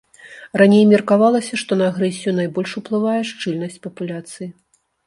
Раней меркавалася, што на агрэсію найбольш уплывае шчыльнасць папуляцыі.